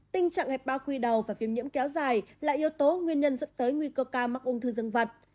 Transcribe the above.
tình trạng hẹp bao quy đầu và viêm nhiễm kéo dài là yếu tố nguyên nhân dẫn tới nguy cơ ca mắc ung thư dân vật